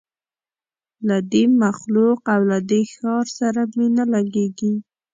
له دې مخلوق او له دې ښار سره مي نه لګیږي